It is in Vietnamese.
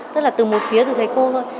tức là từ một phía từ thầy cô thôi